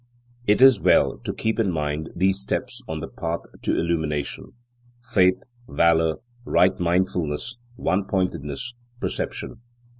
It is well to keep in mind these steps on the path to illumination: faith, valour, right mindfulness, one pointedness, perception.